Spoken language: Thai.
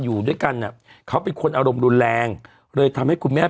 อยู่ด้วยกันอ่ะเขาเป็นคนอารมณ์รุนแรงเลยทำให้คุณแม่